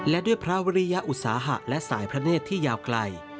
และด้วยพระวิริยอุตสาหะและสายพระเนธที่ยาวไกล